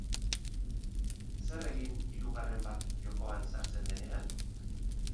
Zer egin hirugarren bat jokoan sartzen denean?